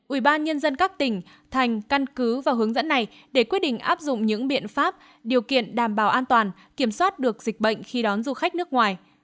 ủy ban nhân dân các tỉnh thành căn cứ và hướng dẫn này để quyết định áp dụng những biện pháp điều kiện đảm bảo an toàn kiểm soát được dịch bệnh khi đón du khách nước ngoài